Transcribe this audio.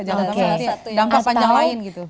jangan sampai nanti dampak panjang lain gitu